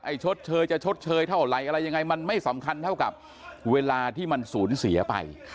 ชดเชยจะชดเชยเท่าไหร่อะไรยังไงมันไม่สำคัญเท่ากับเวลาที่มันสูญเสียไป